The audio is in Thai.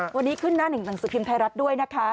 วันนี้ขึ้นหน้าหนึ่งหนังสือพิมพ์ไทยรัฐด้วยนะคะ